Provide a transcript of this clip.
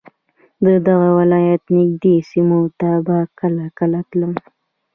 د دغه ولایت نږدې سیمو ته به کله کله تلم.